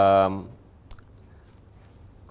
contohnya presiden mendapatkan pemberitaan dan penerbitan kepentingan